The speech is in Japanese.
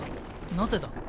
なぜだ？